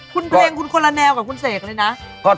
คุณเพลงคุณคนละแนวกับคุณเสกเลยนะ